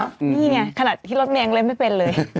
นี่ไงขนาดที่รถเมยยังเล่นไม่เป็นเลย